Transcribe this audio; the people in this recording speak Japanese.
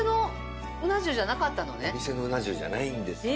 じゃあお店のうな重じゃないんですよ。